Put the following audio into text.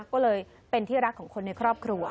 ก็เลยเป็นที่รักของคนในครอบครัว